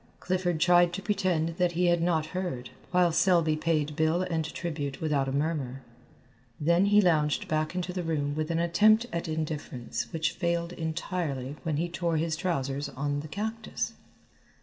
Clifford tried to pretend that he had not heard, while Selby paid bill and tribute without a murmur. Then he lounged back into the room with an attempt at indifference which failed entirely when he tore his trousers on the cactus.